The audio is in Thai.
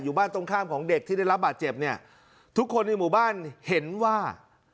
บ้านตรงข้ามของเด็กที่ได้รับบาดเจ็บเนี่ยทุกคนในหมู่บ้านเห็นว่า